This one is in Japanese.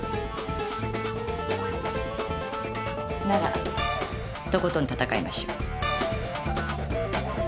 ならとことん闘いましょう。